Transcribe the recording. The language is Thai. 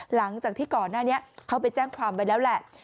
หลังจากที่ก่อนหน้านี้เขาไปแจ้งความไว้แล้วแหละ